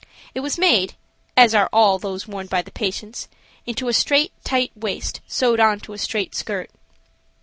It was made, as are all those worn by the patients, into a straight tight waist sewed on to a straight skirt.